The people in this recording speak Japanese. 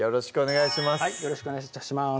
はいよろしくお願い致します